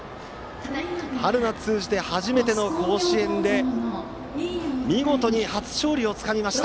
春夏通じて初めての甲子園で見事に初勝利をつかみました。